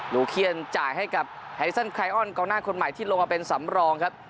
ลูเคียนจ่ายให้กับไฮซั่นไคออนกองหน้าคนใหม่ที่ลงมาเป็นสำรองครับ